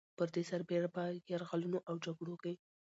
پر دې سربېره به په يرغلونو او جګړو کې